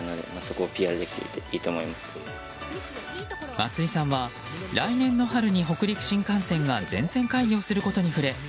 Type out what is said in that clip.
松井さんは来年の春に北陸新幹線が全線開業することに触れ